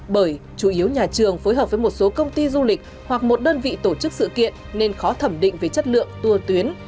bởi chủ yếu nhà trường phối hợp với một số công ty du lịch hoặc một đơn vị tổ chức sự kiện nên khó thẩm định về chất lượng tour tuyến